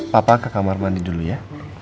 papa ke kamar mandi dulu ya